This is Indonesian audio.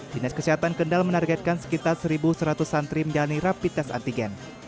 dinas kesehatan kendal menargetkan sekitar satu seratus santri menjalani rapid test antigen